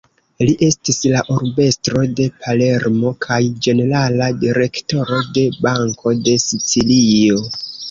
Li estis la Urbestro de Palermo kaj ĝenerala Direktoro de Banko de Sicilio.